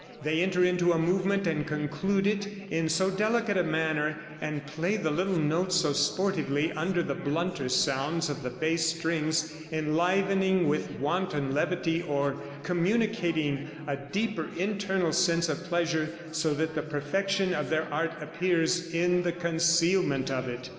They enter into a movement and conclude it in so delicate a manner, and play the little notes so sportively under the blunter sounds of the bass strings, enlivening with wanton levity, or communicating a deeper internal sense of pleasure, so that the perfection of their art appears in the concealment of it.